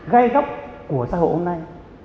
gai góc của xã hội hôm nay